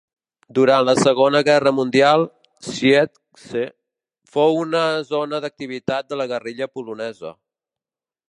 Durant la Segona Guerra Mundial Siedlce fou una zona d'activitat de la guerrilla polonesa.